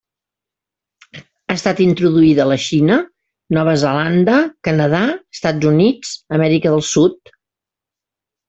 Ha estat introduïda a la Xina, Nova Zelanda, Canadà, Estats Units, Amèrica del Sud.